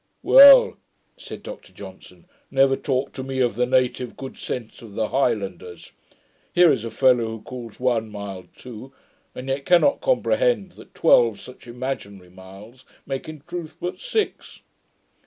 'Well,' said Dr Johnson, 'never talk to me of the native good sense of the Highlanders. Here is a fellow who calls one mile two, and yet cannot comprehend that twelve such imaginary miles make in truth but six.'